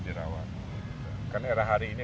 dirawat kan era hari ini